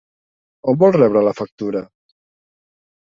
A on vol rebre la factura?